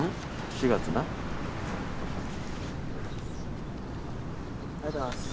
４月なありがとうございます